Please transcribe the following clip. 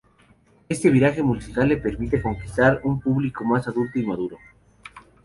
Este viraje musical le permite conquistar un público más adulto y maduro.